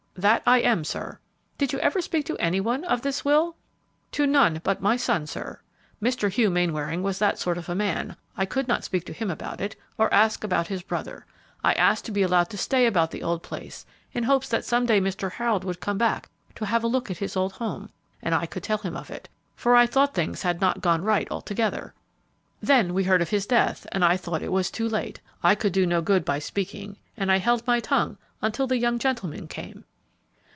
"That I am, sir." "Did you ever speak to any one of this will?" "To none but my son, sir. Mr. Hugh Mainwaring was that sort of a man, I could not speak to him about it, or ask about his brother. I asked to be allowed to stay about the old place in hopes that some day Mr. Harold would come back to have a look at his old home, and I could tell him of it, for I thought things had not gone right altogether. Then we heard of his death, and I thought it was too late; I could do no good by speaking, and I held my tongue until the young gentleman came."